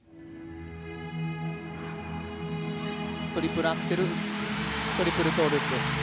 トリプルアクセルトリプルトウループ。